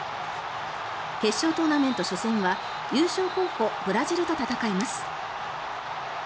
決勝トーナメント初戦は優勝候補、ブラジルと戦います。